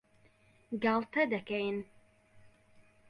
گاڵتە دەکەین.